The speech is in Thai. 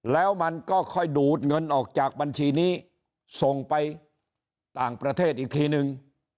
แล้วมันก็ค่อยดูดเงินออกจากบัญชีนี้ส่งไปต่างประเทศอีกทีนึง